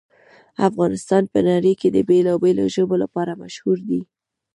افغانستان په نړۍ کې د بېلابېلو ژبو لپاره مشهور دی.